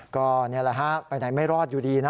ก็นี่แหละฮะไปไหนไม่รอดอยู่ดีนะ